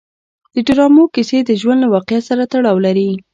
د ډرامو کیسې د ژوند له واقعیت سره تړاو لري.